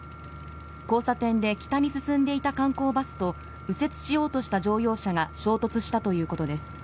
交差点で北に進んでいた観光バスと右折しようとした乗用車が衝突したということです。